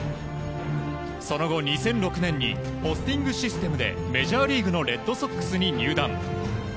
その後、２００６年にポスティングシステムでメジャーリーグのレッドソックスに入団。